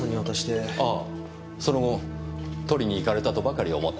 ああその後取りに行かれたとばかり思っていました。